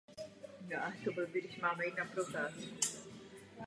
Potřetí to bylo těžší.